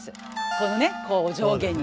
このね上下に。